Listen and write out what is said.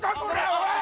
おい！